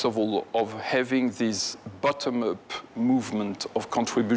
แต่ว่าความนึกถึงของเฉพาะนี้